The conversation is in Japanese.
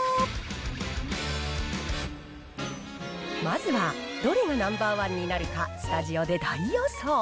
まずはどれがナンバーワンになるかスタジオで大予想。